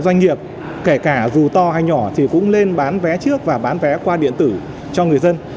doanh nghiệp kể cả dù to hay nhỏ thì cũng nên bán vé trước và bán vé qua điện tử cho người dân